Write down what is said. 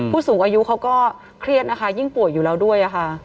ผู้สูงอายุเขาก็เครียดนะคะยิ่งป่วยอยู่แล้วด้วยค่ะ